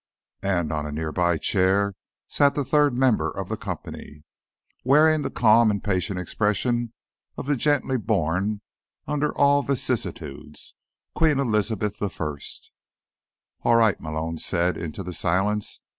And on a nearby chair sat the third member of the company, wearing the calm and patient expression of the gently born under all vicissitudes: Queen Elizabeth I. "All right," Malone said into the silence.